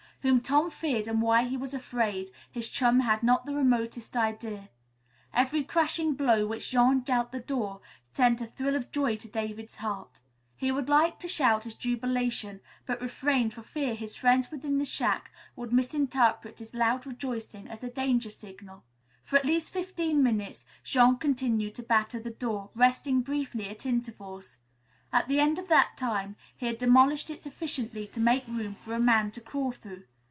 Whom Tom feared and why he was afraid, his chum had not the remotest idea. Every crashing blow which Jean dealt the door, sent a thrill of joy to David's heart. He would have liked to shout his jubilation, but refrained for fear his friends within the shack would misinterpret his loud rejoicing as a danger signal. For at least fifteen minutes Jean continued to batter the door, resting briefly at intervals. At the end of that time, he had demolished it sufficiently to make room for a man to crawl through.